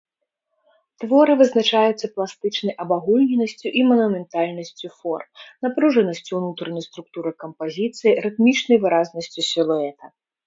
Творы вызначаюцца пластычнай абагульненасцю і манументальнасцю форм, напружанасцю ўнутранай структуры кампазіцыі, рытмічнай выразнасцю сілуэта.